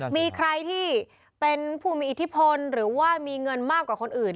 มีใครที่เป็นผู้มีอิทธิพลหรือว่ามีเงินมากกว่าคนอื่น